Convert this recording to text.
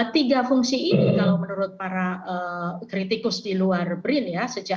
tiga fungsi ini kalau menurut para kritikus di luar brin ya